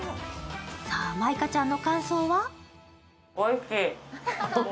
さあ、舞香ちゃんの感想は？